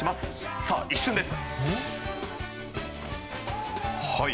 さあ、一瞬です。